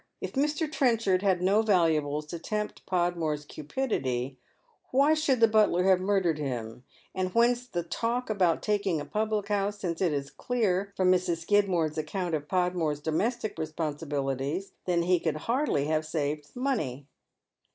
If Mr. Trenchard had no valuables to tempt Podmore's cupidity, why should the butler have murdered him, and whence the talk about taking a piiblic house, since it is clear from Mrs. Skinner's account of Podmore's domestic responsibilities that he can hardly have saved money.